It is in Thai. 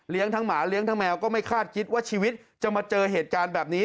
ทั้งหมาเลี้ยงทั้งแมวก็ไม่คาดคิดว่าชีวิตจะมาเจอเหตุการณ์แบบนี้